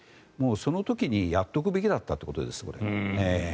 その時にやっておくべきだったということです、これ。